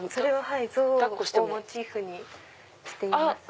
ゾウをモチーフにしています。